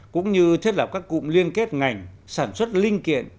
cũng như thiết lập các cụm liên kết ngành sản xuất linh kiện